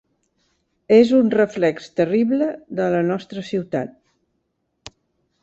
És un reflex terrible de la nostra ciutat.